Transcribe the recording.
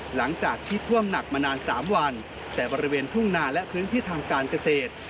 หลังจากที่ท่วมหนักมานาน๓วันแต่บริเวณทุ่งนาและพื้นที่ทางการเกษตร